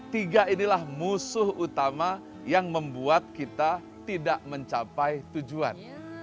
tiga inilah musuh utama yang membuat kita tidak mencapai tujuan